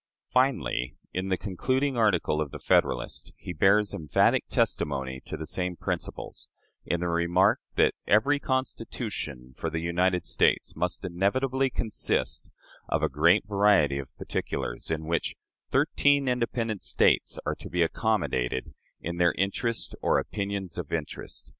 Finally, in the concluding article of the "Federalist," he bears emphatic testimony to the same principles, in the remark that "every Constitution for the United States must inevitably consist of a great variety of particulars, in which thirteen independent States are to be accommodated in their interests or opinions of interest....